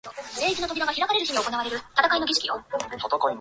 The county is divided into two main topographical areas.